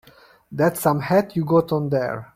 That's some hat you got on there.